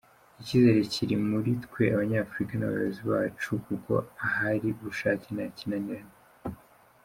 Icyizere kiri mu twe Abanyafurika n’abayobozi bacu, kuko ahari ubushake nta kinanirana.